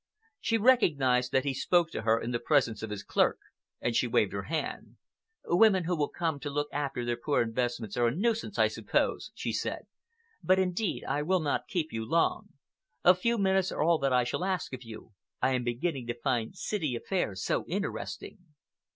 She recognized that he spoke to her in the presence of his clerk, and she waved her hand. "Women who will come themselves to look after their poor investments are a nuisance, I suppose," she said. "But indeed I will not keep you long. A few minutes are all that I shall ask of you. I am beginning to find city affairs so interesting."